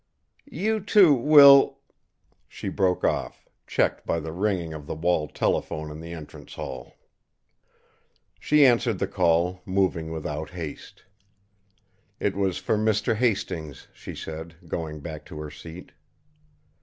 "You, too, will " She broke off, checked by the ringing of the wall telephone in the entrance hall. She answered the call, moving without haste. It was for Mr. Hastings, she said, going back to her seat.